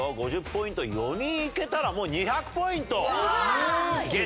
５０ポイント４人いけたらもう２００ポイントゲットできるというね。